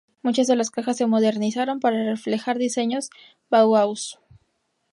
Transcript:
Muchas de las cajas se modernizaron para reflejar diseños Bauhaus.